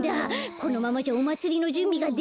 このままじゃおまつりのじゅんびができない。